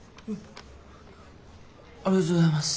ありがとうございます。